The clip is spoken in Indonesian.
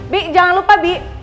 bi jangan lupa bi